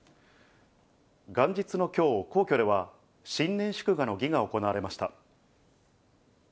元日のきょう、皇居では、新年祝賀の儀が行われました。